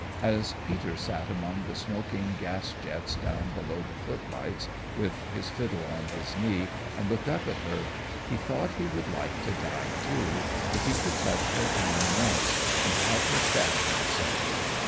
As Peter sat among the smoking gas jets down below the footlights with his fiddle on his knee, and looked up at her, he thought he would like to die too, if he could touch her arm once, and have her stab him so.